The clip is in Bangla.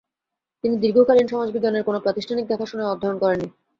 তিনি দীর্ঘকালীন সমাজবিজ্ঞানের কোনও প্রাতিষ্ঠানিক দেখাশোনা অধ্যয়ন করেননি।